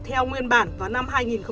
theo nguyên bản vào năm hai nghìn một mươi